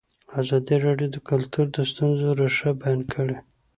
ازادي راډیو د کلتور د ستونزو رېښه بیان کړې.